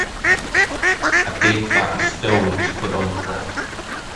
A big flattened stone is put on the vault.